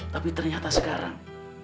tapi ternyata sekarang